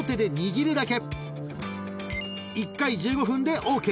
［１回１５分でＯＫ。